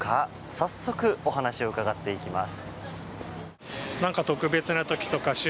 早速お話を伺っていきます。